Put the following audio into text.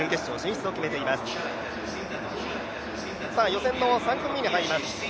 予選の３組目に入ります。